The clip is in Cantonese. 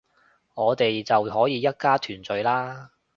我哋就可以一家團聚喇